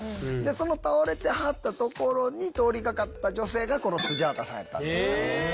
その倒れてはったところに通りかかった女性がこのスジャータさんやったんです。